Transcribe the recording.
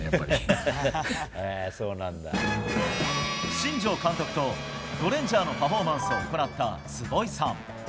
新庄監督とゴレンジャーのパフォーマンスを行った坪井さん。